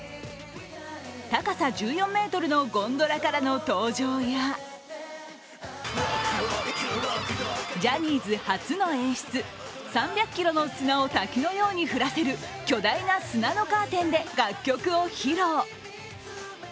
高さ１４ｍのゴンドラからの登場やジャニーズ初の演出、３００ｋｇの砂を滝のように降らせる巨大な砂のカーテンで楽曲を披露。